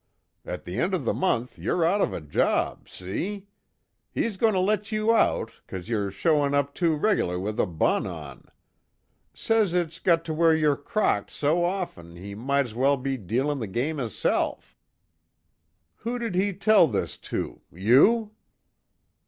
At the end of the month you're out of a job see? He's goin' to let you out, 'cause yer showin' up too reg'lar with a bun on. Says it's got to where yer crocked so often he might's well be dealin' the game hisself." "Who did he tell this to you?"